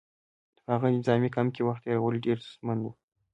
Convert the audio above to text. په هغه نظامي کمپ کې وخت تېرول ډېر ستونزمن وو